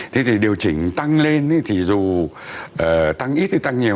thế thì điều chỉnh tăng lên thì dù tăng ít thì tăng nhiều